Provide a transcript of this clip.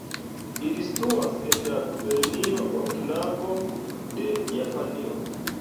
Ili situas en la gubernio Okinavo de Japanio.